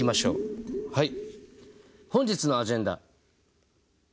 はい本日のアジェンダ。